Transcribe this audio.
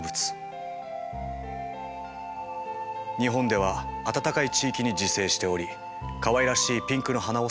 日本では暖かい地域に自生しておりかわいらしいピンクの花を咲かせます。